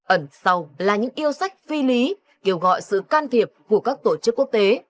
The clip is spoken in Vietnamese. ẩn sau là những yêu sách phi lý kêu gọi sự can thiệp của các tổ chức quốc tế